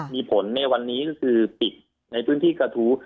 มีผลในวันนี้ก็คือปิดในพื้นที่กระทู้